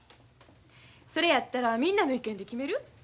それやったらみんなの意見で決める？